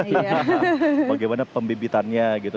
bagaimana pembibitannya gitu